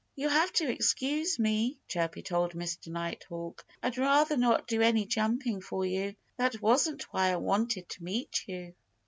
"You'll have to excuse me," Chirpy told Mr. Nighthawk. "I'd rather not do any jumping for you. That wasn't why I wanted to meet you."